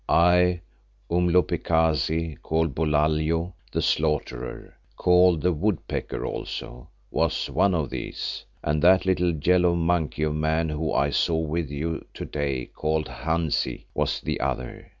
I, Umhlopekazi, called Bulalio the Slaughterer, called the Woodpecker also, was one of these, and that little yellow monkey of a man whom I saw with you to day, called Hansi, was the other.